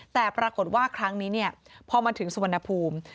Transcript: แต่ปรากฏว่าครั้งนี้พอมาถึงสุวรรณภูมิ